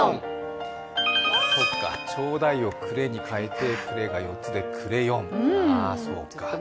そっか、「ちょうだい」を「くれ」に変えて、「くれ」が４つでクレヨン。